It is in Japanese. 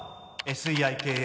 「ＳＥＩＫＡ